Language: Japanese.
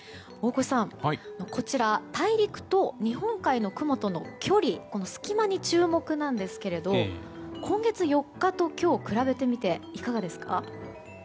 大越さん、こちら大陸と日本海の雲との距離の隙間に注目なんですけど今月４日と今日を比べてみていかがですか？